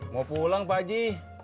mau pulang pak ji